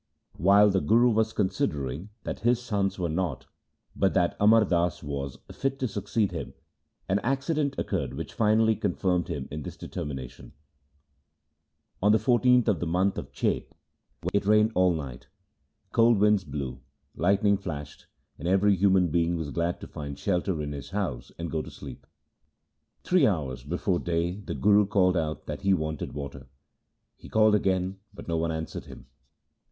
While the Guru was considering that his sons were not, but that Amar Das was, fit to succeed him, an accident occurred which finally confirmed him in his determination. On the 14th of the month of Chet, when there was no moon, it rained all night. 42 THE SIKH RELIGION Cold winds blew, lightning flashed, and every human being was glad to find shelter in his house and go to sleep. Three hours before day the Guru called out that he wanted water. He called again but no one answered him.